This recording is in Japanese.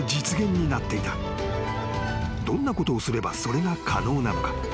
［どんなことをすればそれが可能なのか？］